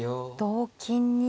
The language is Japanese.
同金に。